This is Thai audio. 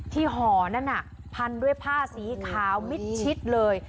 ที่ห่อนั่นพันด้วยผ้าสีขาวมิดชิดเลย